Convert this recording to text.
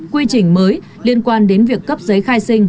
quy trình mới liên quan đến việc cấp giấy khai sinh